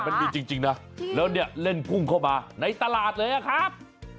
มันมีจริงนะแล้วเนี่ยเล่นพุ่งเข้ามาในตลาดเลยอะครับ